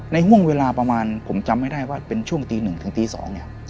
ห่วงเวลาประมาณผมจำไม่ได้ว่าเป็นช่วงตี๑ถึงตี๒เนี่ย